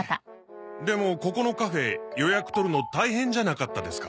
でもここのカフェ予約取るの大変じゃなかったですか？